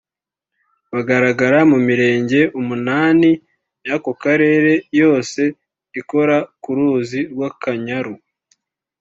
bigaragara mu mirenge umunani y’aka karere yose ikora ku ruzi rw’Akanyaru